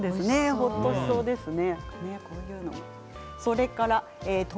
ほっとしそうですね。